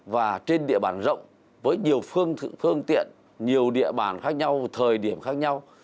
và trên địa bàn rộng với nhiều phương tiện nhiều địa bàn khác nhau thời điểm khác nhau